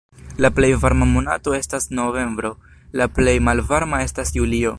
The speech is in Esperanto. La plej varma monato estas novembro, la plej malvarma estas julio.